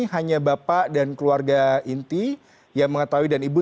hanya bapak dan keluarga inti yang mengetahui dan ibu